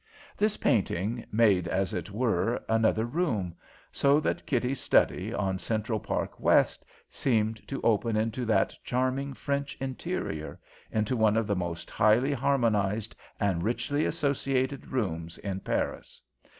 This painting made, as it were, another room; so that Kitty's study on Central Park West seemed to open into that charming French interior, into one of the most highly harmonized and richly associated rooms in Paris.